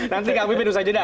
nanti kak mimpin usah jeda